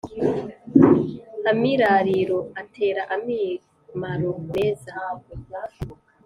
Amirariro atera amimaro meza